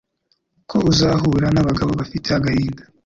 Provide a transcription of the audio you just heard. ko uzahura nabagabo bafite agahinda